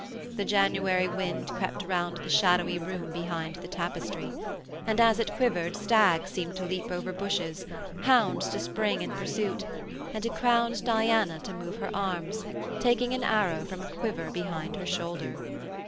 The January wind crept round the shadowy room behind the tapestry, and as it quivered stags seemed to leap over bushes, hounds to spring in pursuit, and a crowned Diana to move her arms, taking an arrow from a quiver behind her shoulder.